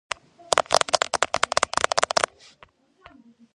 მწვერვალზე კრატერია, რომელიც ტბითაა დაკავებული.